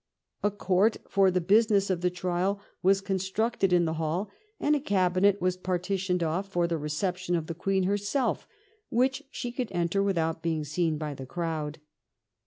A court for the business of the trial was constructed in the hall, and a cabinet was partitioned off for the reception of the Queen herself, which she could enter without being seen by the crowd.